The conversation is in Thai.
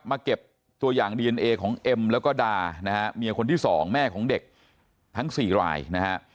มาเก็บตัวอย่างดีเอนเอของเอ็มแล้วก็ดานะฮะเมียคนที่สองแม่ของเด็กทั้งสี่รายนะฮะ